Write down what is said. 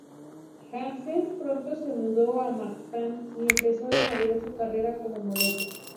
Hansen pronto se mudó a Manhattan y empezó a desarrollar su carrera como modelo.